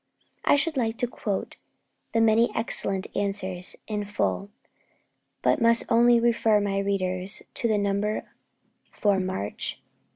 I should like to quote the many excellent answers in full, but must only refer my readers to the number for March 1879.